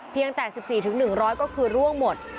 เพียงแต่๑๔๑๐๐ก็คือล่วงหมด